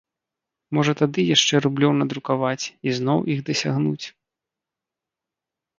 Можна тады яшчэ рублёў надрукаваць і зноў іх дасягнуць.